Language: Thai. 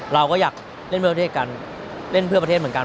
เราก็อยากเล่นเพื่อประเทศกันเล่นเพื่อประเทศเหมือนกัน